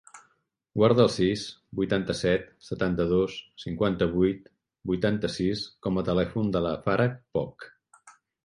Guarda el sis, vuitanta-set, setanta-dos, cinquanta-vuit, vuitanta-sis com a telèfon de la Farah Poch.